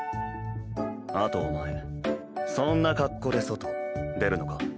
あとお前そんな格好で外出るのか？